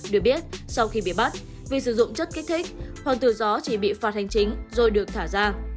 được biết sau khi bị bắt vì sử dụng chất kích thích hoàng tử gió chỉ bị phạt hành chính rồi được thả ra